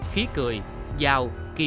khí cười dao